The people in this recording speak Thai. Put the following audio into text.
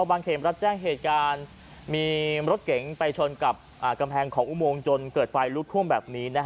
ลื่นแล้วดูดิไฟไหม้เลยนะครับ